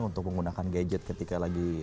untuk menggunakan gadget ketika lagi